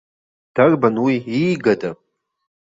Дарбан уи, иигада?